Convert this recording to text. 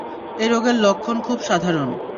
এই রোগের লক্ষণ খুব সাধারণ।